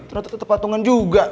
ternyata tetap patungan juga